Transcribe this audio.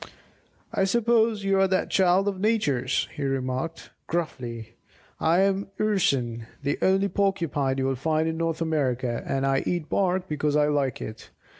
"I suppose you are that child of Nature's," he remarked, gruffly, "I am the Urson, the only Porcupine you'll find in North America, and I eat bark because I like it.